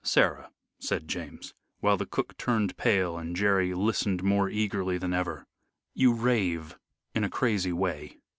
"Sarah," said James, while the cook turned pale and Jerry listened more eagerly than ever, "you rave in a crazy way."